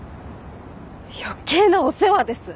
余計なお世話です。